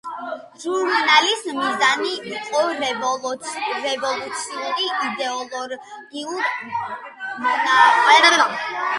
ჟურნალის მიზანი იყო რევოლუციური იდეოლოგიურ მონაპოვართა დაცვა.